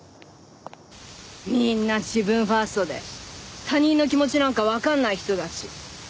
みんな自分ファーストで他人の気持ちなんかわからない人たち。